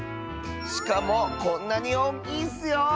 しかもこんなにおおきいッスよ！